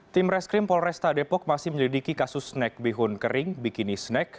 tim reskrim polresta depok masih menyelidiki kasus snek bihun kering bikini snack